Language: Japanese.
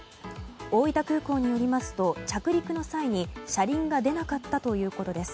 大分空港によりますと着陸の際に車輪が出なかったということです。